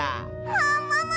ももも！